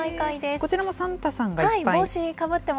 こちらもサンタさんがいっぱい。